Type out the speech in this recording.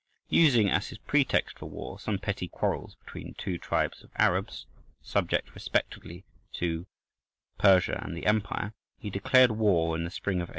Using as his pretext for war some petty quarrels between two tribes of Arabs, subject respectively to Persia and the empire, he declared war in the spring of A.